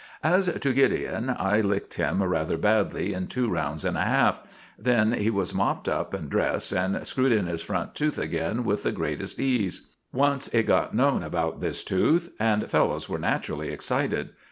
As to Gideon, I licked him rather badly in two rounds and a half. Then he was mopped up and dressed, and screwed in his front tooth again with the greatest ease. Once it got known about this tooth, and fellows were naturally excited.